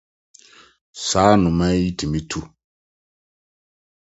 Saa anomaa yi tumi tu.